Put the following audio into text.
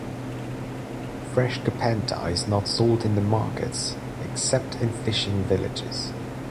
Fresh kapenta is not sold in the markets, except in fishing villages.